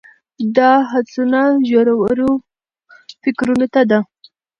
دا هڅونه ژورو فکرونو ته ده.